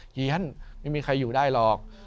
เฮียนไม่มีใครอยู่ได้หรอก